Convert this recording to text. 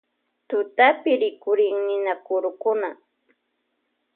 Tutapi rikurin ninakurukuna.